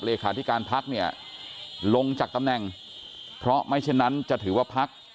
เลขาธิการพักเนี่ยลงจากตำแหน่งเพราะไม่เช่นนั้นจะถือว่าพัก